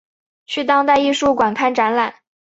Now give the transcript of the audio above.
去当代艺术馆看展览